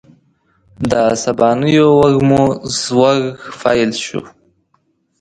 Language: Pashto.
د سبانیو وږمو ږوږ پیل شو